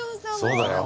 そうだよ。